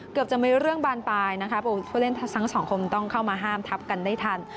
เกือบจะมีเรื่องบานปลายนะคะผู้เล่นทั้งสองคนต้องเข้ามาห้ามทับกันได้ทัน